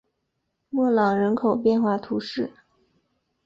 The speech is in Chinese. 莫朗人口变化图示